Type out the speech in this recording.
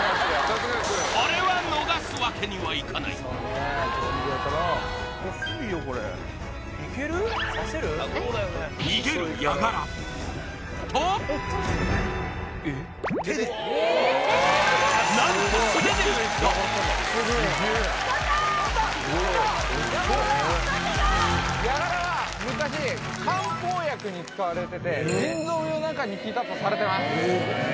これは逃すわけにはいかない逃げるヤガラと何と素手でいったとったうわヤガラだヤガラは昔漢方薬に使われてて腎臓病なんかに効いたとされてます